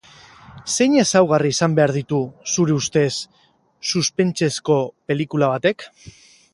Zein ezaugarri izan behar ditu, zure ustez, suspensezko pelikula batek?